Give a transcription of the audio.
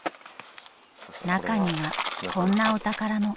［中にはこんなお宝も］